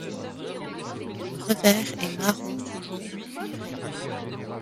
Le revers est marron roux cuivré.